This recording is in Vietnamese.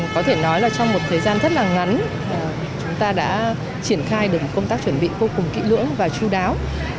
có thể nói là trong một thời gian rất là ngắn chúng ta đã triển khai được một công tác chuẩn bị vô cùng kỹ lưỡng và chú đáo